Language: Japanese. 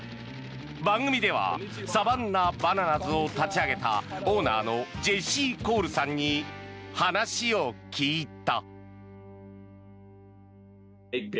番組ではサバンナ・バナナズを立ち上げたオーナーのジェシー・コールさんに話を聞いた。